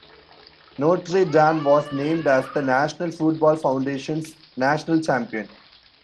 Notre Dame was named as the National Football Foundation's national champion.